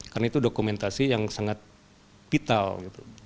karena itu dokumentasi yang sangat vital gitu